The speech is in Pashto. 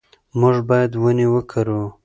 موږ باید ونې وکرو.